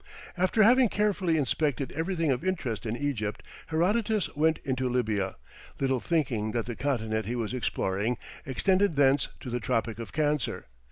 After having carefully inspected everything of interest in Egypt, Herodotus went into Lybia, little thinking that the continent he was exploring, extended thence to the tropic of Cancer.